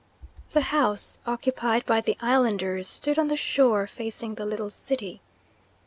The house occupied by the islanders stood on the shore facing the little city.